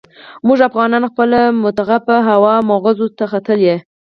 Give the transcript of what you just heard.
موږ افغانان خپل متعفنه هوا مغزو ته ختلې.